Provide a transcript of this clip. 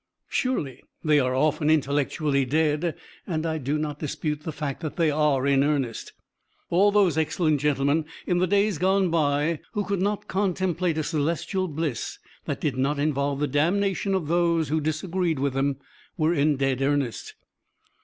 Surely they are often intellectually dead, and I do not dispute the fact that they are in earnest. All those excellent gentlemen in the days gone by who could not contemplate a celestial bliss that did not involve the damnation of those who disagreed with them were in dead earnest.